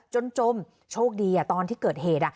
จมโชคดีตอนที่เกิดเหตุ